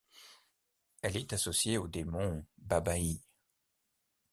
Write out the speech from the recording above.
Elle est associée au démon Babaï.